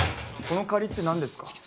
この「仮」って何ですか？